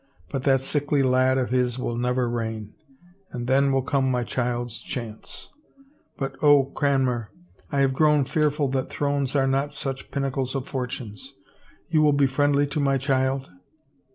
But that sickly lad of his will never reign — and then will come my child's chance. .•. But, oh, Cranmer, I have grown fearful that thrones are not such pinnacles of fortunes 1 You will be friendly to my child?